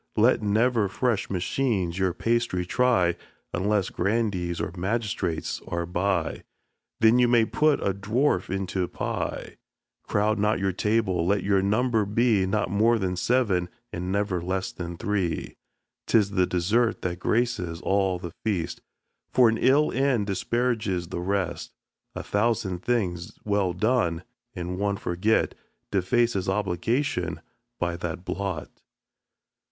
Let never fresh machines your pastry try, Unless grandees or magistrates are by, Then you may put a dwarf into a pie.[xi 2] Crowd not your table; let your number be Not more than seven, and never less than three. 'Tis the dessert that graces all the feast, For an ill end disparages the rest. A thousand things well done, and one forgot, Defaces obligation by that blot.